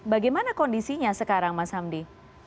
bagaimana kondisinya sekarang mas hamdi